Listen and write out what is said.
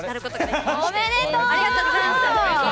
ありがとうございます。